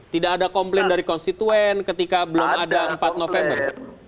tidak ada komplain dari konstituen ketika belum ada empat november